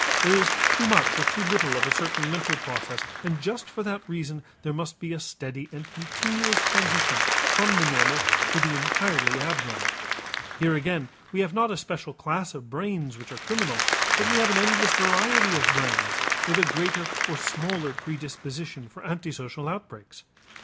There is too much or too little of a certain mental process and just for that reason there must be a steady and continuous transition from the normal to the entirely abnormal. Here again we have not a special class of brains which are criminal; but we have an endless variety of brains with a greater or smaller predisposition for antisocial outbreaks.